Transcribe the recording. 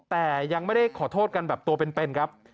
แต่ยังไม่ได้ขอโทษกันแบบตัวเป็นครับ